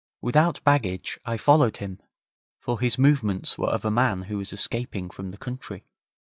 Without baggage I followed him, for his movements were of a man who was escaping from the country.